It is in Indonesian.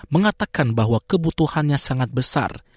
mengatakan bahwa kebutuhannya sangat besar